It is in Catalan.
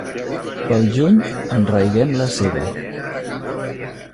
Pel juny enraiguem la sega.